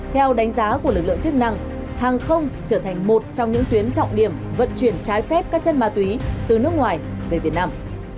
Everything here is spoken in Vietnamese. theo đánh giá của lực lượng chức năng hàng không trở thành một trong những tuyến trọng điểm vận chuyển trái phép các chất ma túy từ nước ngoài về việt nam